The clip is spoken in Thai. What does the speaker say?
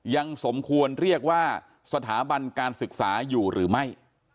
สมควรเรียกว่าสถาบันการศึกษาอยู่หรือไม่